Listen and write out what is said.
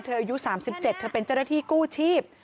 อายุ๓๗เธอเป็นเจ้าหน้าที่กู้ชีพ